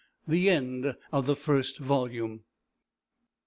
THE END OF THE FIRST VOLUME.